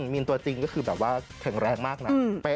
มีนตัวจริงก็คือแบบว่าแข็งแรงมากนะ